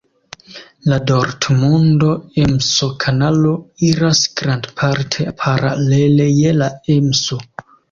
La Dortmundo-Emsokanalo iras grandparte paralele je la Emso.